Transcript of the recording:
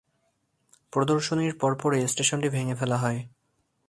প্রদর্শনীর পরপরই স্টেশনটি ভেঙ্গে ফেলা হয়।